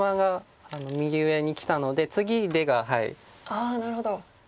ああなるほど。